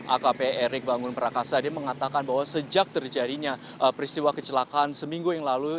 akp erick bangun prakasa dia mengatakan bahwa sejak terjadinya peristiwa kecelakaan seminggu yang lalu